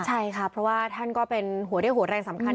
ใช่ค่ะเพราะว่าท่านก็เป็นหัวเรี่ยวหัวแรงสำคัญ